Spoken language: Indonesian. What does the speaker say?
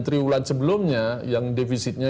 triwulan sebelumnya yang defisitnya